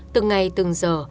từng ngày từng giờ